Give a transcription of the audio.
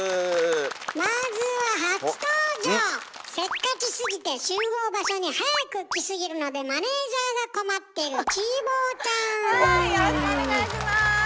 まずはせっかちすぎて集合場所に早く来すぎるのでマネージャーが困ってるはいよろしくお願いします。